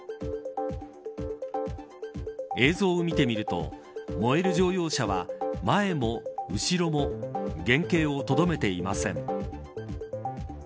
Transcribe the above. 映像を見てみると燃える乗用車は、前も後ろも原型をとどめていません。